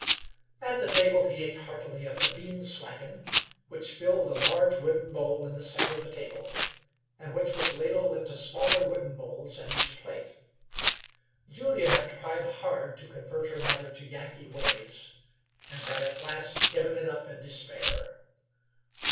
At the table he ate heartily of the "bean swaagen," which filled a large wooden bowl in the centre of the table, and which was ladled into smaller wooden bowls at each plate. Julia had tried hard to convert her mother to Yankee ways, and had at last given it up in despair.